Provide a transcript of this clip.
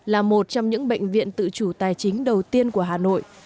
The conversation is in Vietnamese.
là một trong những bệnh viện tự chủ tài chính đầu tiên của hà nội